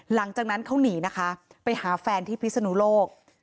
หลังจากนั้นเขาหนีนะคะไปหาแฟนที่พิศนุโลก